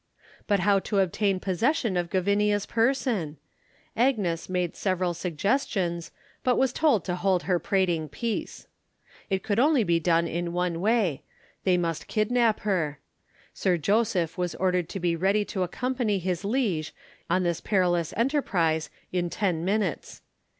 But how to obtain possession of Gavinia's person? Agnes made several suggestions, but was told to hold her prating peace. It could only be done in one way. They must kidnap her. Sir Joseph was ordered to be ready to accompany his liege on this perilous enterprise in ten minutes.